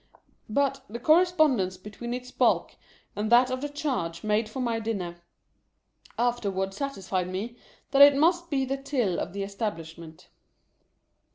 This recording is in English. But, the correspond ence between its bulk and that of the charge made for my dinner, afterward satisfied me that it must be the till of the establishment.